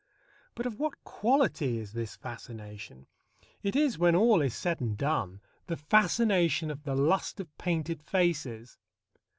But of what quality is this fascination? It is, when all is said and done, the fascination of the lust of painted faces.